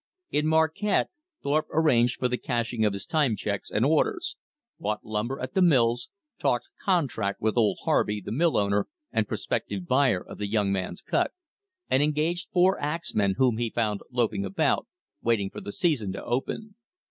In Marquette, Thorpe arranged for the cashing of his time checks and orders; bought lumber at the mills; talked contract with old Harvey, the mill owner and prospective buyer of the young man's cut; and engaged four axmen whom he found loafing about, waiting for the season to open.